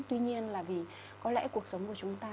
tuy nhiên là vì có lẽ cuộc sống của chúng ta